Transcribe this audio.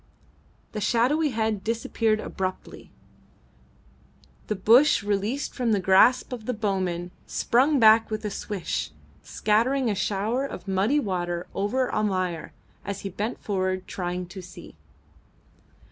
The shadowy head disappeared abruptly. The bush, released from the grasp of the bowman, sprung back with a swish, scattering a shower of muddy water over Almayer, as he bent forward, trying to see.